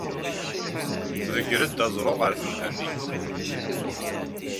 Tḍeggred aẓru ɣer temda-nni.